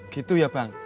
gitu ya bang